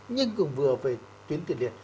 nhưng cũng vừa về tuyến tiền liệt